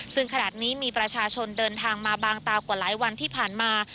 ซึ่งขนาดนี้มีประชาชนเดินทางมาบางตากว่าหลายวันที่ผ่านมา